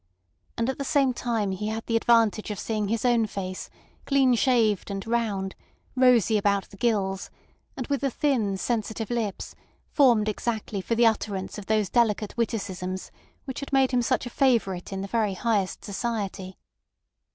And at the same time he had the advantage of seeing his own face, clean shaved and round, rosy about the gills, and with the thin sensitive lips formed exactly for the utterance of those delicate witticisms which had made him such a favourite in the very highest society.